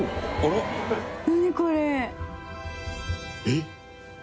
えっ？